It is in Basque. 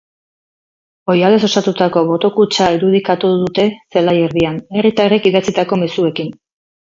Oihalez osatutako boto-kutxa irudikatu dute zelai erdian, herritarrek idatzitako mezuekin.